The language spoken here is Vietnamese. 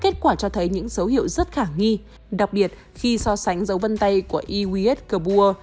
dấu hiệu rất khả nghi đặc biệt khi so sánh dấu vân tay của i w s kabur